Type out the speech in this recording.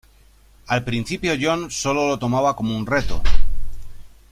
Al principio John solo lo tomaba como un reto.